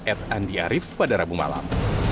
ed andi arief pada rabu malam